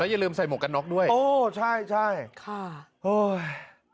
แล้วอย่าลืมใส่หมวกกันน็อกด้วยค่ะโอ้ย